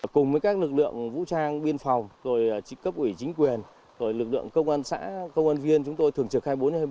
cùng với các lực lượng vũ trang biên phòng cấp ủy chính quyền lực lượng công an viên chúng tôi thường trực hai mươi bốn h hai mươi bốn